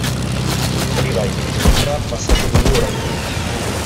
Hori bai, beldurra pasako dugu oraindik.